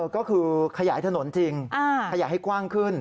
ก็คือขยายถนนจริงขยายให้กว้างขึ้น